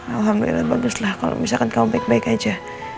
alhamdulillah bagus lah kalau misalkan kau baik baik aja